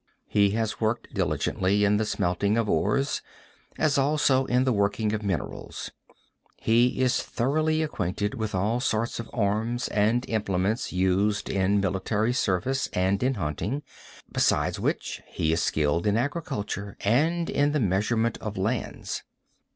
"He has worked diligently in the smelting of ores as also in the working of minerals; he is thoroughly acquainted with all sorts of arms and implements used in military service and in hunting, besides which he is skilled in agriculture and in the measurement of lands.